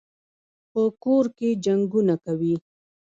په کور کي جنګونه کوي.